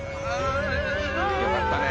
よかったね。